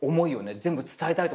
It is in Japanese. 全部伝えたいと。